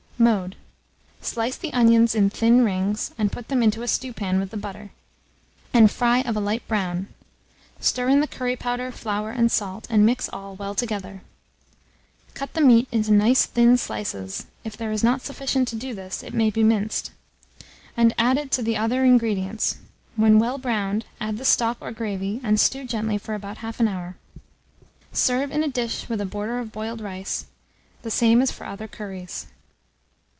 Mode. Slice the onions in thin rings, and put them into a stewpan with the butter, and fry of a light brown; stir in the curry powder, flour, and salt, and mix all well together. Cut the meat into nice thin slices (if there is not sufficient to do this, it may be minced), and add it to the other ingredients; when well browned, add the stock or gravy, and stew gently for about 1/2 hour. Serve in a dish with a border of boiled rice, the same as for other curries.